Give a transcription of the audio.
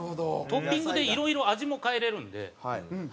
トッピングでいろいろ味も変えられるんで。